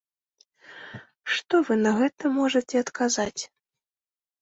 Што вы на гэта можаце адказаць?